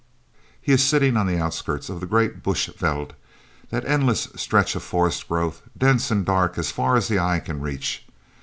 He is sitting on the outskirts of the great bush veld, that endless stretch of forest growth, dense and dark as far as the eye can reach.